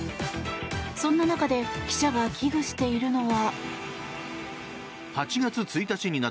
そんな中で記者が危惧しているのは。